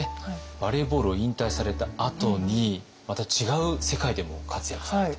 バレーボールを引退されたあとにまた違う世界でも活躍されて。